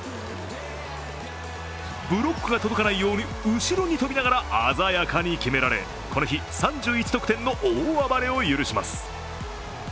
ブロックが届かないように後ろに飛びながら鮮やかに決められ、この日３１得点の大暴れを許します。